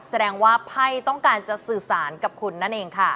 แสดงว่าไพ่ต้องการจะสื่อสารกับคุณนั่นเองค่ะ